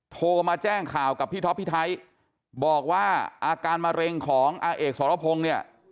โทรมาแจ้งข่าวกับพี่ท็อปพี่ไทยบอกว่าอาการมะเร็งของอาเอกสรพงศ์เนี่ย